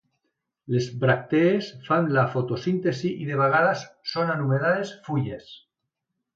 Les bràctees fan la fotosíntesi i de vegades són anomenades fulles.